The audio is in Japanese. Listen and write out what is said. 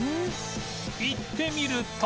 行ってみると